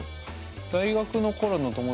大学の頃の友達